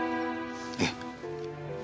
ええ。